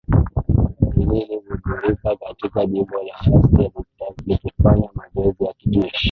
lilili gundulika katika jimbo la asia likifanya mazoezi ya kijeshi